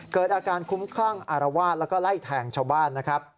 เกิดอาการคุ้มข้างอารวาสแล้วก็ไล่แทงชาวบ้าน